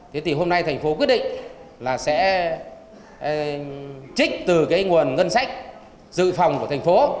thế thì hôm nay thành phố quyết định là sẽ trích từ cái nguồn ngân sách dự phòng của thành phố